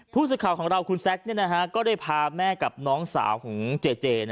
ผู้สื่อข่าวของเราคุณแซคก็ได้พาแม่กับน้องสาวของเจเจ